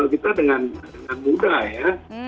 dan dengan mudah ya